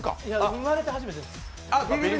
生まれて初めてです。